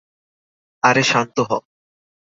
আরে শান্ত হ।